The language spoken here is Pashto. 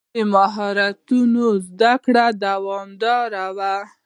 د مهارتونو زده کړه دوامداره وي.